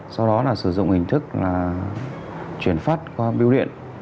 sau đó sử dụng hình thức chuyển phát qua biêu điện